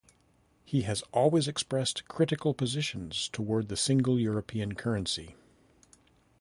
He has always expressed critical positions towards the single European currency.